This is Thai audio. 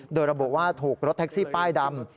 โดยระบุว่าถูกรถแท็กซี่ป้ายดำ